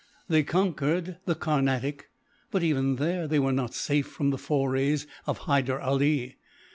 They conquered the Carnatic, but even there they were not safe from the forays of Hyder Ali.